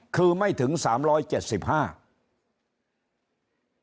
คือไม่ถึง๓๗๕ถ้าเป็นช่วงจังหวะอย่างนั้นเนี่ย